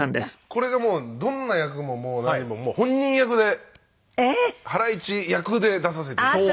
これがもうどんな役も何も本人役でハライチ役で出させて頂きました。